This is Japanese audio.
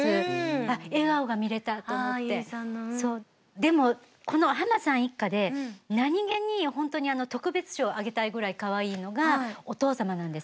でもこの濱さん一家で何気に本当に特別賞あげたいぐらいかわいいのがお父様なんです。